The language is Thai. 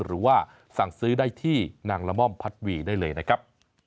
หรือว่าสั่งซื้อได้ที่นางละม่อมพัดวีได้เลยนะครับ